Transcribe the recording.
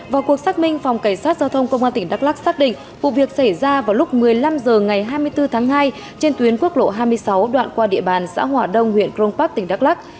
vào cuộc xác minh phòng cảnh sát giao thông công an tỉnh đắk lắc xác định vụ việc xảy ra vào lúc một mươi năm h ngày hai mươi bốn tháng hai trên tuyến quốc lộ hai mươi sáu đoạn qua địa bàn xã hỏa đông huyện cron park tỉnh đắk lắc